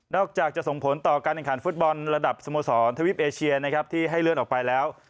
อกจากจะส่งผลต่อการแข่งขันฟุตบอลระดับสโมสรทวิปเอเชียนะครับที่ให้เลื่อนออกไปแล้ว